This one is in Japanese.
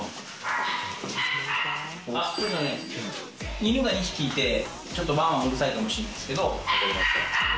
犬が２匹いて、ちょっとワンワンうるさいかもしれないですけど。